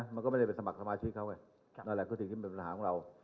มันก็ไม่ได้ไปสมัครสมาชิกเขาไงนั่นแหละก็สิ่งที่มันเป็นปัญหาของเรา